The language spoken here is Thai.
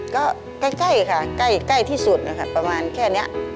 ก็ใกล้ค่ะใกล้ที่สุดนะคะประมาณแค่นี้